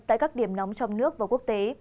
tại các điểm nóng trong nước và quốc tế